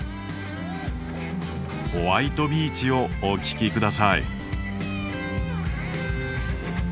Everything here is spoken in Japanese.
「ホワイトビーチ」をお聴き下さい。